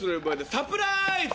「サプライズ！」